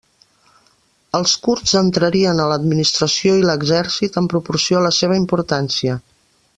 Els kurds entrarien a l'administració i l'exèrcit en proporció a la seva importància.